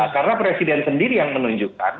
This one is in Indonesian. karena presiden sendiri yang menunjukkan